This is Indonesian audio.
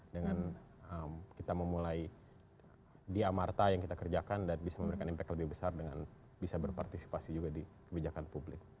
dengan kita memulai di amarta yang kita kerjakan dan bisa memberikan impact lebih besar dengan bisa berpartisipasi juga di kebijakan publik